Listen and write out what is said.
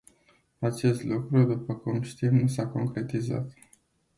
Acest lucru, după cum știm, nu s-a concretizat.